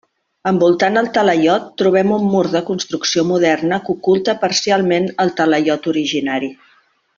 Envoltant el talaiot, trobem un mur de construcció moderna que oculta parcialment el talaiot originari.